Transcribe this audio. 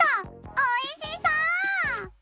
おいしそう！